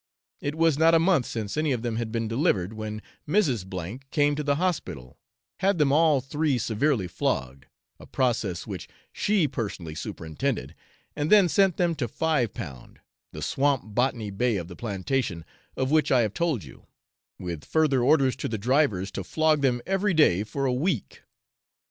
It was not a month since any of them had been delivered, when Mrs. K came to the hospital, had them all three severely flogged, a process which she personally superintended, and then sent them to Five Pound the swamp Botany Bay of the plantation, of which I have told you with further orders to the drivers to flog them every day for a week.